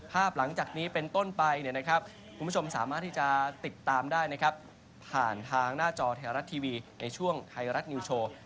หลังจากนี้เป็นต้นไปคุณผู้ชมสามารถที่จะติดตามได้นะครับผ่านทางหน้าจอไทยรัฐทีวีในช่วงไทยรัฐนิวโชว์